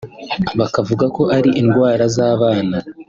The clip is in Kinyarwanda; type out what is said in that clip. bakavuga ko ari indwara z’abana